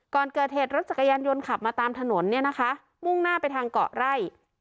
ก่อนเกิดเหตุรถจักรยานยนต์ขับมาตามถนนเนี่ยนะคะมุ่งหน้าไปทางเกาะไร่